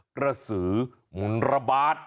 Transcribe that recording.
กระสือหมุนระบาด